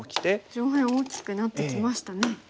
上辺大きくなってきましたね。